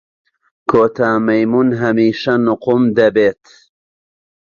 کۆتا مەیموون هەمیشە نوقم دەبێت.